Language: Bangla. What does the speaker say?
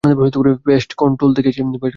পেস্ট কন্ট্রোল থেকে এসেছি।